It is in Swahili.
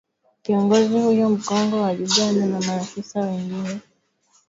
kiongozi huyo mkongwe wa Uganda na maafisa wengine wakati wa ziara yake mjini kampala